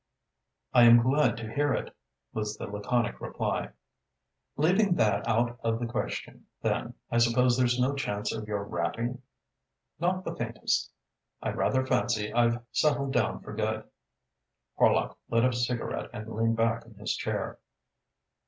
"I am glad to hear it," was the laconic reply. "Leaving that out of the question, then, I suppose there's no chance of your ratting?" "Not the faintest. I rather fancy I've settled down for good." Horlock lit a cigarette and leaned back in his chair.